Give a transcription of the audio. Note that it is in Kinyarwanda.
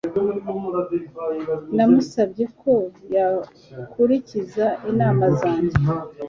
Namusabye ko yakurikiza inama zanjye